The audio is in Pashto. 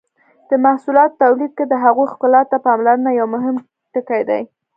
د محصولاتو تولید کې د هغوی ښکلا ته پاملرنه یو مهم ټکی دی.